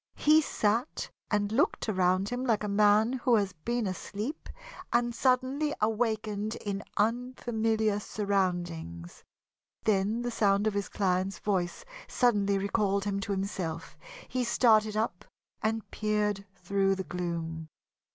He sat and looked around him like a man who has been asleep and suddenly awakened in unfamiliar surroundings. Then the sound of his client's voice suddenly recalled him to himself. He started up and peered through the gloom.